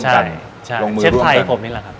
ใช่ใช่เชฟไทยผมนี่แหละครับ